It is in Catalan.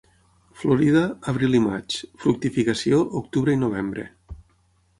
Florida: abril i maig; fructificació: octubre i novembre.